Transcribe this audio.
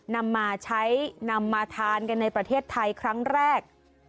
นำมาใช้นำมาทานกันในประเทศไทยครั้งแรก